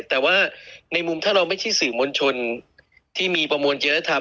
แต่ว่าในมุมถ้าเราไม่ใช่สื่อมวลชนที่มีประมวลเจริยธรรม